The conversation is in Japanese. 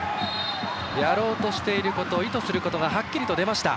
やろうとしていること意図していることがはっきりと出ました。